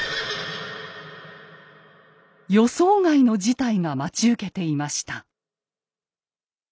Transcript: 予想外の事態が待ち受けていました。